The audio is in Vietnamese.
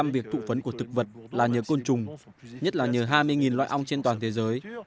năm mươi việc thụ phấn của thực vật là nhờ côn trùng nhất là nhờ hai mươi loại ong trên toàn thế giới